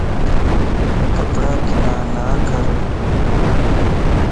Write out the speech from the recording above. ڪپڙا ڪنا نڪر